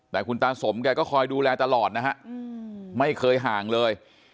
แต่คุณตาสมแกก็คอยดูแลตลอดนะฮะไม่เคยห่างเลย